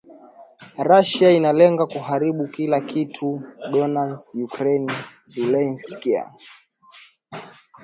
Russia inalenga kuharibu kila kitu Donbas, Ukraine - Zelensky.